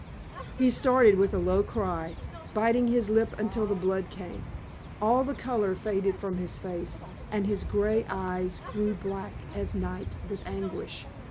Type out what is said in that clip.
He started with a low cry, biting his lip until the blood came. All the color faded from his face, and his gray eyes grew black as night with anguish.